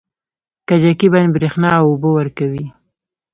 کجکي بند بریښنا او اوبه ورکوي